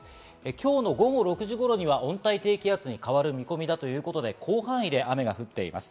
今日の午後６時頃には温帯低気圧に変わる見込みだということで、広範囲で雨が降っています。